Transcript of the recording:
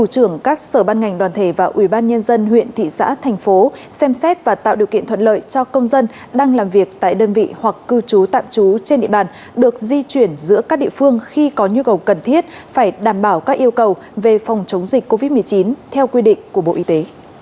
đoàn thể và ủy ban nhân dân huyện thị xã thành phố xem xét và tạo điều kiện thuận lợi cho công dân đang làm việc tại đơn vị hoặc cư trú tạm trú trên địa bàn được di chuyển giữa các địa phương khi có nhu cầu cần thiết phải đảm bảo các yêu cầu về phòng chống dịch covid một mươi chín theo quy định của bộ y tế